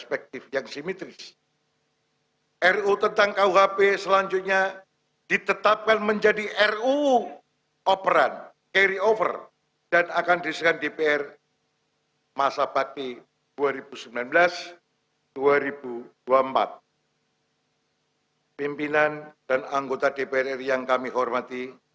pimpinan dan anggota dpr ri yang kami hormati